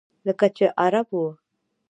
لکه چې عرب و.